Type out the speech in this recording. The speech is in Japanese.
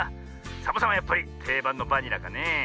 サボさんはやっぱりていばんのバニラかねえ。